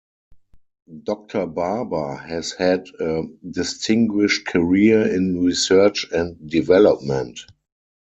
Doctor Barber has had a distinguished career in research and development.